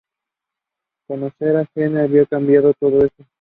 Conocer a Gene había cambiado todo eso.